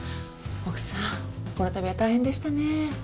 奥さんこの度は大変でしたねえ。